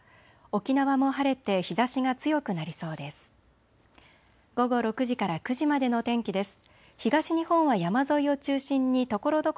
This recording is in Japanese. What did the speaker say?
沖縄も晴れて日ざしが強くなりそうです。